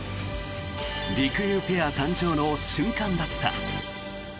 りくりゅうペア誕生の瞬間だった。